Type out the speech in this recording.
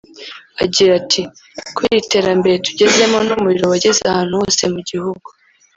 agira ati “Kubera iterambere tugezemo n’umuriro wageze ahantu hose mu gihugu